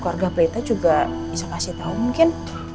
keluarga pelita juga bisa kasih tahu mungkin